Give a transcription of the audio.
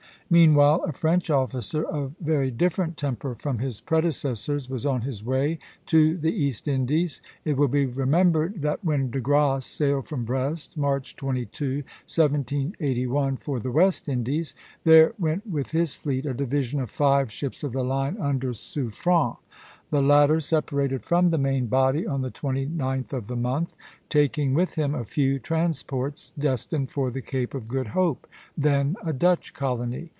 Meanwhile a French officer of very different temper from his predecessors was on his way to the East Indies. It will be remembered that when De Grasse sailed from Brest, March 22, 1781, for the West Indies, there went with his fleet a division of five ships of the line under Suffren. The latter separated from the main body on the 29th of the month, taking with him a few transports destined for the Cape of Good Hope, then a Dutch colony.